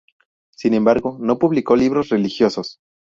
Sin embargo no publicó libros religiosos.